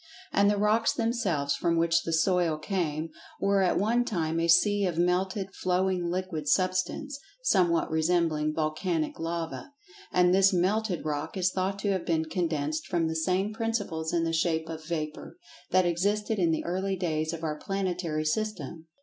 And the rocks themselves, from which the "soil" came, were at one time a sea of melted, flowing liquid Substance, somewhat resembling volcanic lava. And this "melted rock" is thought to have been condensed from the same principles in the shape of vapor, that existed in the early days of our planetary system.